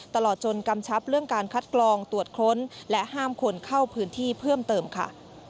ตลอดจนกำชับเรื่องการคัดกรองตรวจค้นและห้ามคนเข้าพื้นที่เพิ่มเติมค่ะ